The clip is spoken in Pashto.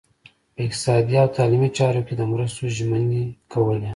په اقتصادي او تعلیمي چارو کې د مرستو ژمنې کولې.